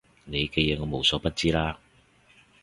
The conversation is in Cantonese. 你嘅嘢我無所不知啦